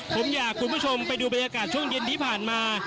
ผมอยากคุณผู้ชมไปดูบรรยากาศช่วงเย็นที่ผ่านมา